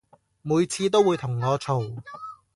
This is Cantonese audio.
每次都會同我嘈